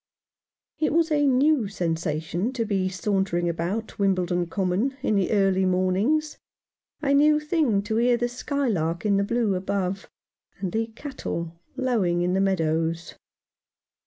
It was a new sensation to be sauntering about Wimbledon Common in the early mornings, a new thing to hear the skylark in the blue above and the cattle lowing in the meadows.